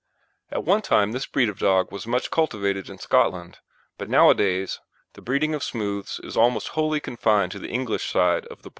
At one time this breed of dog was much cultivated in Scotland, but nowadays the breeding of smooths is almost wholly confined to the English side of the Border.